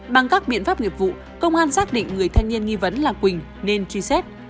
bằng các biện pháp nghiệp vụ công an xác định người thanh niên nghi vấn là quỳnh nên truy xét